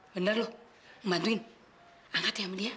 bener lo ngebantuin angkat ya sama dia